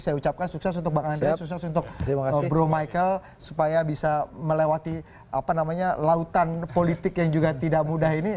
saya ucapkan sukses untuk bang andri sukses untuk bro michael supaya bisa melewati apa namanya lautan politik yang juga tidak mudah ini